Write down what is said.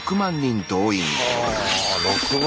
６万！